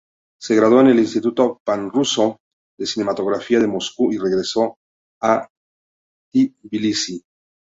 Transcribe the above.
Se graduó en el Instituto Panruso de Cinematografía de Moscú y regresó a Tbilisi.